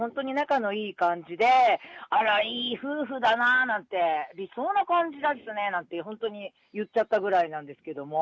本当ににこにこなさっていて、奥様とも本当に仲のいい感じで、あら、いい夫婦だななんて、理想な感じですねなんて、本当に言っちゃったぐらいなんですけども。